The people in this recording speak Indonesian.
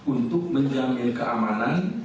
untuk menjamin keamanan